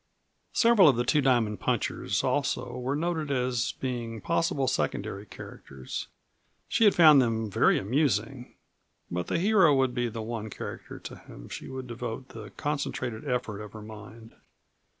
Several of the Two Diamond punchers, also, were noted as being possible secondary characters. She had found them very amusing. But the hero would be the one character to whom she would devote the concentrated effort of her mind.